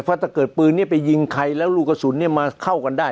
เพราะถ้าเกิดปืนนี้ไปยิงใครแล้วลูกกระสุนมาเข้ากันได้